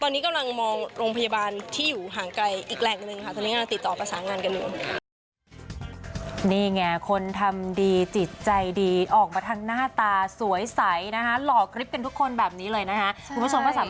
ตอนนี้กำลังมองโรงพยาบาลที่อยู่ห่างไกลอีกแหล่งหนึ่งค่ะ